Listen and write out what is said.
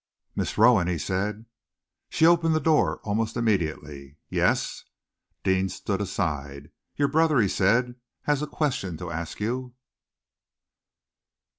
"Miss Rowan," he said. She opened the door almost immediately. "Yes?" Deane stood aside. "Your brother," he said, "has a question to ask you!"